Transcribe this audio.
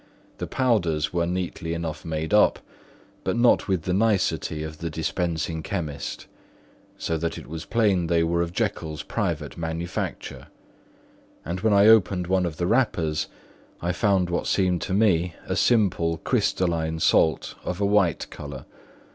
The powders were neatly enough made up, but not with the nicety of the dispensing chemist; so that it was plain they were of Jekyll's private manufacture; and when I opened one of the wrappers I found what seemed to me a simple crystalline salt of a white colour.